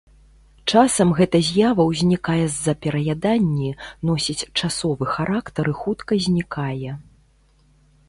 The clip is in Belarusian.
Часам гэта з'ява ўзнікае з-за пераяданні, носіць часовы характар і хутка знікае.